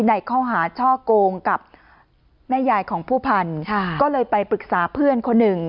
ในข้อหาช่อโกงกับแม่ยายของผู้พันธุ์ก็เลยไปปรึกษาเพื่อนคนหนึ่ง